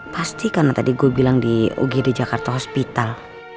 pasti tadi karena gue bilang di ug di jakarta hospital